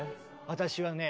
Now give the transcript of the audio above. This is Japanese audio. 私はね